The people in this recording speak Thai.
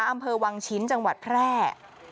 อำเภอวังชิ้นจังหวัดแพร่